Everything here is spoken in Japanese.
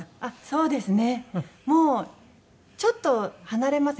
そうですね。